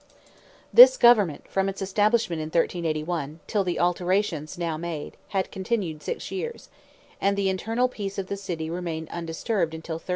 This government from its establishment in 1381, till the alterations now made, had continued six years; and the internal peace of the city remained undisturbed until 1393.